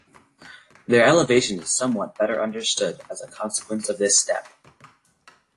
Their elevation is somewhat better understood as a consequence of this step.